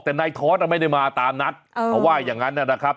แต่นายทอร์สอ่ะไม่ได้มาตามนัดเออเขาว่าอย่างงั้นน่ะนะครับ